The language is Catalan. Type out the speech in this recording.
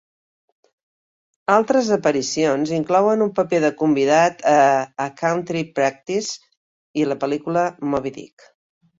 Altres aparicions inclouen un paper de convidat a A Country Practice i la pel·lícula Moby-Dick.